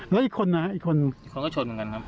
แล้วอีกคนนะอีกคนเขาก็ชนเหมือนกันครับ